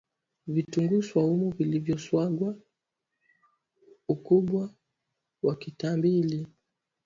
Vitunguu swaumu vilivyo sagwa Ukubwa wa katimbili